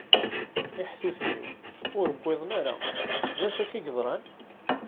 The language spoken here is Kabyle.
Iḥtuten-iw, ur uwiḍen ara. D acu akka i yeḍṛan?